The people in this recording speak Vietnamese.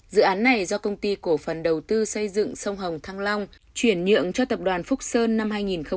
dự án này do công ty cổ phần đầu tư xây dựng sông hồng thăng long chuyển nhượng cho tập đoàn phúc sơn năm hai nghìn một mươi